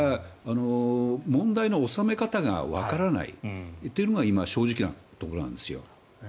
問題の収め方がわからないというのが正直なところなんですよ。